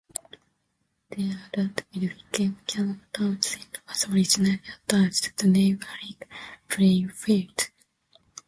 The area that would become Cannon Township was originally attached to neighbouring Plainfield.